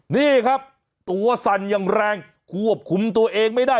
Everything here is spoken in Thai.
นี่ครับตัวสั่นอย่างแรงควบคุมตัวเองไม่ได้